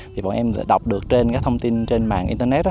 thì bọn em đã đọc được trên các thông tin trên mạng internet